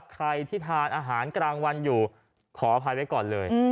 ใครที่ทานอาหารกลางวันอยู่ขออภัยไว้ก่อนเลย